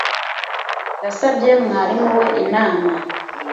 Yasabye mwarimu we inama